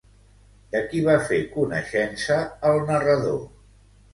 De qui va fer coneixença el narrador?